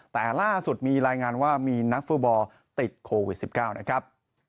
แต่ล่าสุดมีรายงานว่ามีนักฟุตบอลติดโควิด๑๙นะครับ